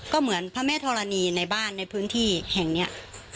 ก็เหมือนพระแม่ธรณีในบ้านในพื้นที่แห่งนี้